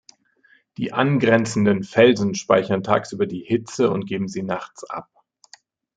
Die angrenzenden Felsen speichern tagsüber die Hitze und geben sie nachts ab.